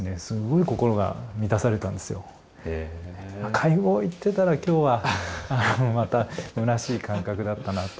会合行ってたら今日はまたむなしい感覚だったなと。